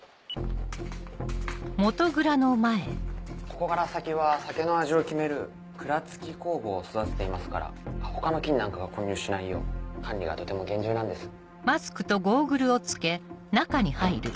ここから先は酒の味を決める蔵つき酵母を育てていますから他の菌なんかが混入しないよう管理がとても厳重なんです。